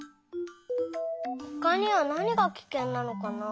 ほかにはなにがキケンなのかな？